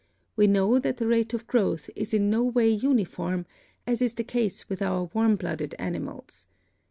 We know that the rate of growth is in no way uniform, as is the case with our warm blooded animals.